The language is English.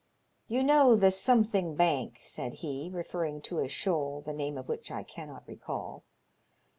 You know the Something Bank," said he, referring to a shoal the name of which I cannot recall.